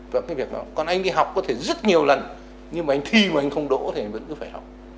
và cái việc đó còn anh đi học có thể rất nhiều lần nhưng mà anh thi mà anh không đỗ thì vẫn cứ phải học